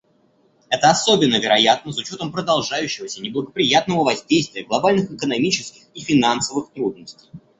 Это особенно вероятно с учетом продолжающегося неблагоприятного воздействия глобальных экономических и финансовых трудностей.